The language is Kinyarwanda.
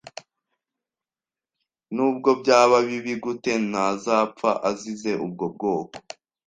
Nubwo byaba bibi gute, ntazapfa azize ubwo bwoko